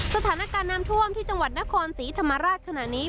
สถานการณ์น้ำท่วมที่จังหวัดนครศรีธรรมราชขณะนี้